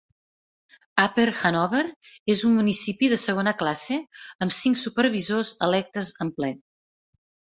Upper Hanover és un municipi de segona classe amb cinc supervisors electes en ple.